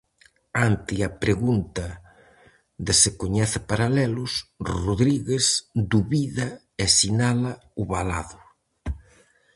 Ante a pregunta de se coñece paralelos, Rodríguez dubida e sinala o valado.